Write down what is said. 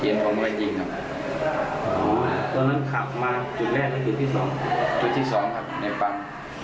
จุดที่สองค่ะในปั๊ม